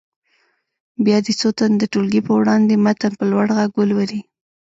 بیا دې څو تنه د ټولګي په وړاندې متن په لوړ غږ ولولي.